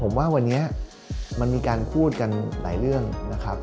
ผมว่าวันนี้มันมีการพูดกันหลายเรื่องนะครับ